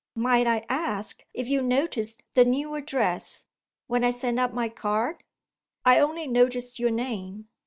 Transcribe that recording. Might I ask if you noticed the new address, when I sent up my card?" "I only noticed your name."